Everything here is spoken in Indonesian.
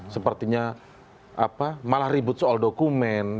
sepertinya malah ribut soal dokumen